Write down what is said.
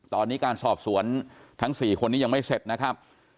ตอนนี้การสอบสวนทั้ง๔คนนี้ยังไม่เสร็จนะครับ